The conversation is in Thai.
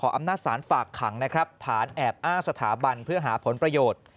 อำนาจสารฝากขังนะครับฐานแอบอ้างสถาบันเพื่อหาผลประโยชน์